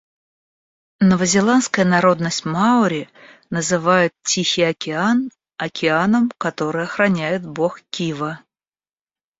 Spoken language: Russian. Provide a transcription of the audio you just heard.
Новозеландская народность маори называет Тихий океан океаном, который охраняет бог Кива.